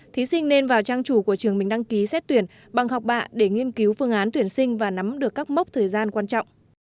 thí sinh nên vào trang chủ của trường mình đăng ký xét tuyển bằng học bạ để nghiên cứu phương án tuyển sinh và nắm được các mốc thời gian quan trọng